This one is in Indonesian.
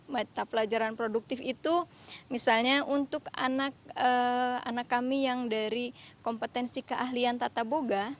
mata pelajaran produktif itu misalnya untuk anak kami yang dari kompetensi keahlian tata boga